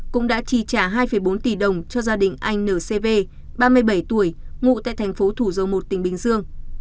cũng đã chi trả hai bốn tỷ đồng cho gia đình anh ncv ba mươi bảy tuổi ngụ tại thành phố thủ dầu một tỉnh bình dương